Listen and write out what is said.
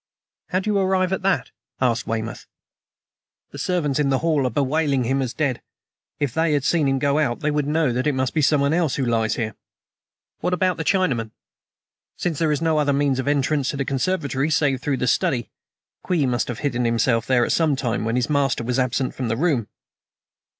"How do you arrive at that?" asked Weymouth. "The servants, in the hall, are bewailing him as dead. If they had seen him go out they would know that it must be someone else who lies here." "What about the Chinaman?" "Since there is no other means of entrance to the conservatory save through the study, Kwee must have hidden himself there at some time when his master was absent from the room."